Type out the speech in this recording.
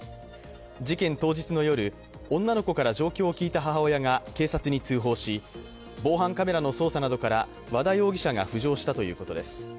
事件当日の夜、女の子から状況を聞いた母親が警察に通報し、防犯カメラの捜査などから和田容疑者が浮上したということです。